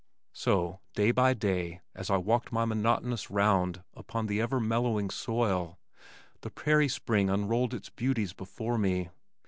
So day by day, as I walked my monotonous round upon the ever mellowing soil, the prairie spring unrolled its beauties before me.